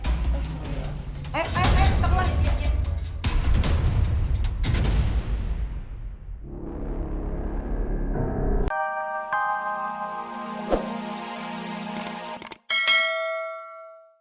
eh eh eh tunggu lagi